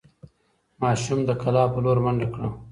ماشوم د کلا په لور منډه کړه.